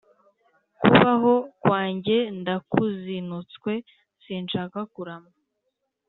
kubaho kwanjye ndakuzinutswe sinshaka kurama